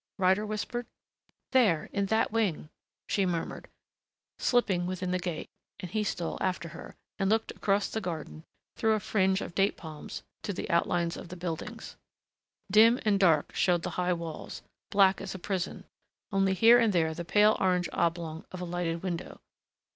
Ryder whispered. "There in that wing," she murmured, slipping within the gate, and he stole after her, and looked across the garden, through a fringe of date palms, to the outlines of the buildings. Dim and dark showed the high walls, black as a prison, only here and there the pale orange oblong of a lighted window.